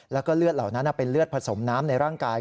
แล้วก็เลือดเหล่านั้นเป็นเลือดผสมน้ำในร่างกาย